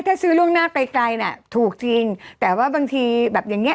ถ้าซื้อล่วงหน้าไกลไกลน่ะถูกจริงแต่ว่าบางทีแบบอย่างเงี้